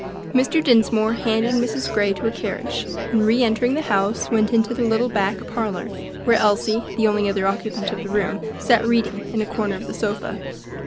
Mr. Dinsmore handed Mrs. Grey to her carriage, and re entering the house went into the little back parlor where Elsie, the only other occupant of the room, sat reading, in the corner of the sofa.